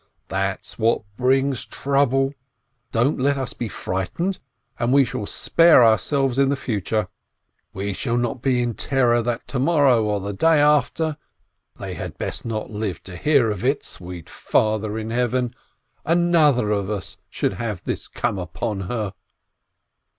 That's what brings trouble. Don't let us be frightened, and we shall spare ourselves in the future. We shall not be in terror that to morrow or the day after (they had best not live to hear of it, sweet Father in Heaven!) another of us should have this come upon her!"